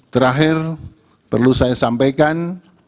terakhir perlu saya sampaikan